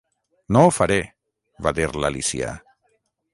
"No ho faré!", va dir l'Alícia.